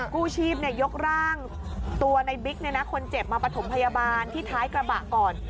คู่ชีพเนี่ยยกร่างตัวในบิ๊กเนี่ยนะคนเจ็บมาประถมพยาบาลที่ท้ายกระบะก่อน